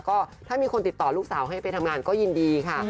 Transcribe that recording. ก็ถ้ามีคนติดต่อลูกสาวให้ไปทำงานก็ยินดีค่ะ